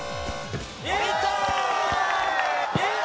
いった！